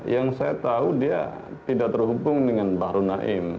yang saya tahu dia tidak terhubung dengan bahru naim